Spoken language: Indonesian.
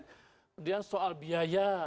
kemudian soal biaya